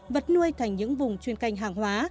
vật nuôi thành những vùng chuyên canh hàng hóa